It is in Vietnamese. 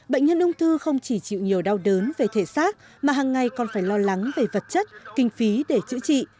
bệnh nhân ung thư không chỉ chịu nhiều đau đớn về thể xác mà hàng ngày còn phải lo lắng về vật chất kinh phí để chữa trị